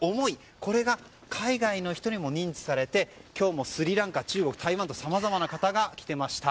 これが、海外の人にも認知されて今日もスリランカ、中国、台湾とさまざまな方が来ていました。